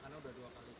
karena udah dua kali